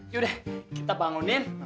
yaudah kita bangunin